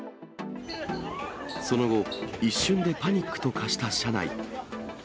その後、一瞬でパニックと化した車内。